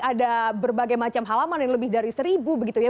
ada berbagai macam halaman yang lebih dari seribu begitu ya